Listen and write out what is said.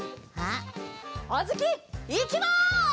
あづきいきます！